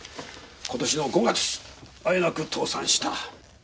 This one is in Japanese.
今年の５月あえなく倒産した。